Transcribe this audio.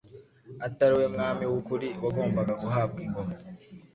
atari we mwami w’ukuri wagombaga guhabwa ingoma.